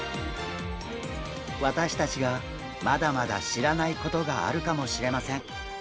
私たちがまだまだ知らないことがあるかもしれません。